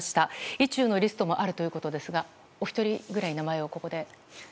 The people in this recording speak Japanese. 意中のリストもあるということですがお一人くらい名前をここで。